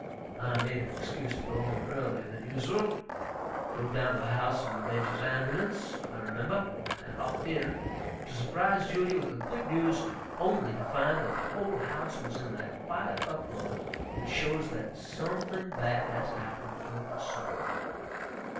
I made an excuse to go home earlier than usual; rode down to the house in the Major's ambulance, I remember; and hopped in, to surprise Julia with the good news, only to find that the whole house was in that quiet uproar which shows that something bad has happened of a sudden.